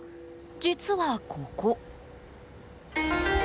実は、ここ。